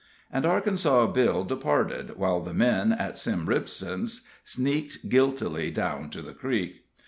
And Arkansas Bill departed, while the men at Sim Ripson's sneaked guiltily down to the creek.